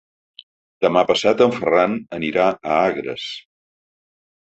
Demà passat en Ferran anirà a Agres.